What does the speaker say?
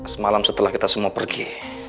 semalam setelah kita semua pergi